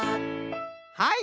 はい！